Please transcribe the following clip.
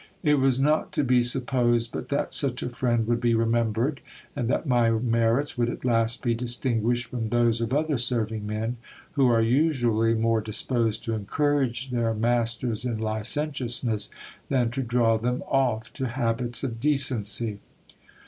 It was not to be supposed but that such a friend would be remembered, and that my merits would at last be distinguished from those of other serving men, who are usually more disposed to encourage their masters in licentiousness, than to draw them oft" to habits of decency.